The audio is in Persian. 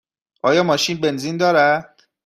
آیا ماشین بنزین دارد؟